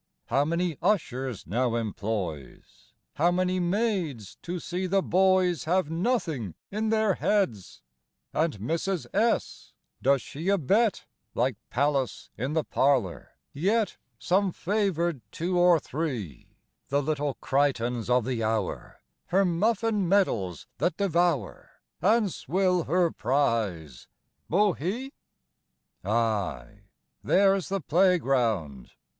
How many ushers now employs, How many maids to see the boys Have nothing in their heads! V. And Mrs. S ? Doth she abet (Like Pallas in the parlor) yet Some favor'd two or three, The little Crichtons of the hour, Her muffin medals that devour, And swill her prize bohea? VI. Ay, there's the playground!